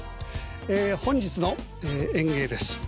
本日の演芸です。